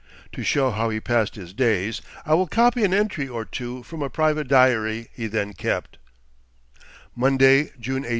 To show how he passed his days, I will copy an entry or two from a private diary he then kept: "Monday, June 18.